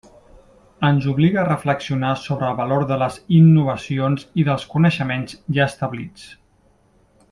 Ens obliga a reflexionar sobre el valor de les innovacions i dels coneixements ja establits.